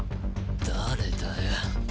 誰だよ。